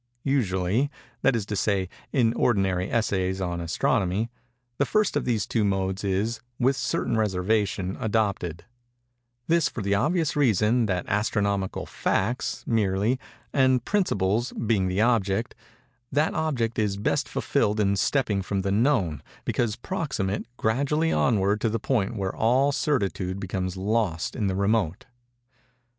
Usually—that is to say, in ordinary essays on Astronomy—the first of these two modes is, with certain reservation, adopted:—this for the obvious reason that astronomical facts, merely, and principles, being the object, that object is best fulfilled in stepping from the known because proximate, gradually onward to the point where all certitude becomes lost in the remote.